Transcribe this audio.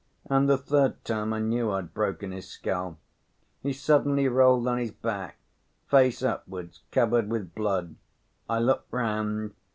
And the third time I knew I'd broken his skull. He suddenly rolled on his back, face upwards, covered with blood. I looked round.